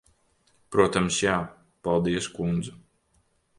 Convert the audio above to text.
Protams, jā. Paldies, kundze.